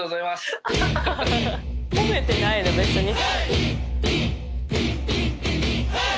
褒めてないよ別に。